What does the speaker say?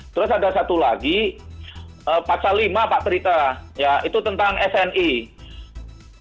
terus ada satu lagi pasal lima pak prita ya itu tentang sni wajib harus pesepeda